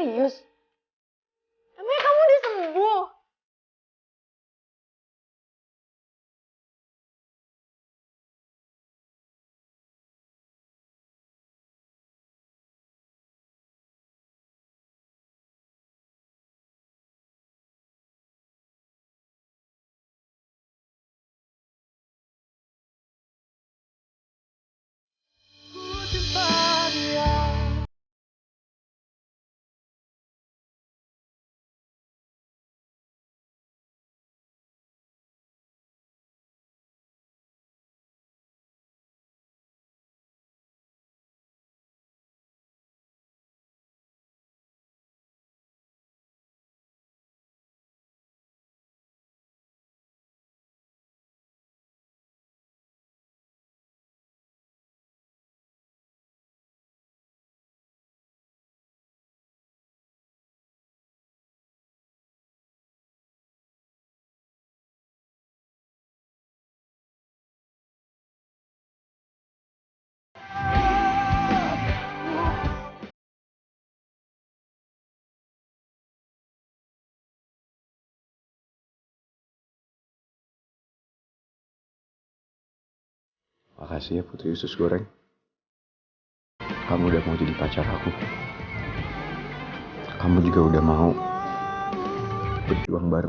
ya allah kamu serius